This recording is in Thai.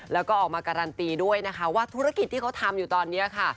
แล้วก็ออกมาการันตีด้วยนะคะว่าธุรกิจที่เขาทำอยู่ตอนนี้ค่ะ